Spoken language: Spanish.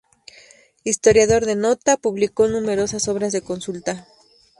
Historiador de nota, publicó numerosas obras de consulta.